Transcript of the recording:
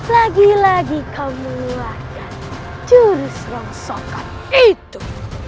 lagi lagi kau mengeluarkan jurus rongsokan itu